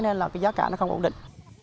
nên là giá cả nó không ổn định